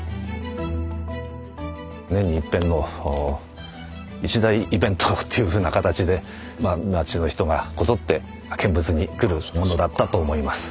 年にいっぺんの一大イベントっていうふうな形で町の人がこぞって見物に来るものだったと思います。